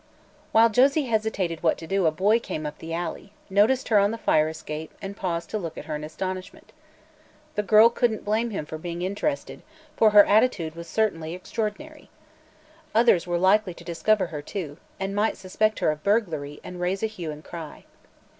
While Josie hesitated what to do a boy came up the alley, noticed her on the fire escape and paused to look at her in astonishment. The girl couldn't blame him for being interested, for her attitude was certainly extraordinary. Others were likely to discover her, too, and might suspect her of burglary and raise a hue and cry.